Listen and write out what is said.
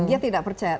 dia tidak percaya